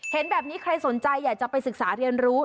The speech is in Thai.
เห็นแบบนี้ใครสนใจอยากจะไปศึกษาเรียนรู้